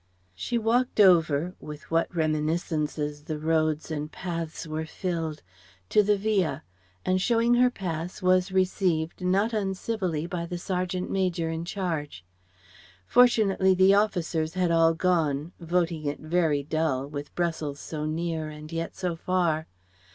She walked over with what reminiscences the roads and paths were filled to the Villa, and showing her pass was received, not uncivilly, by the sergeant major in charge. Fortunately the officers had all gone, voting it very dull, with Brussels so near and yet so far.